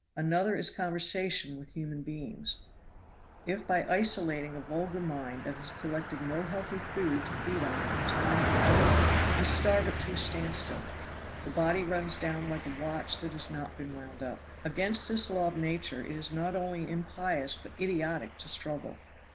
Another is conversation with human beings. If by isolating a vulgar mind that has collected no healthy food to feed on in time of dearth you starve it to a stand still, the body runs down like a watch that has not been wound up. Against this law of Nature it is not only impious but idiotic to struggle.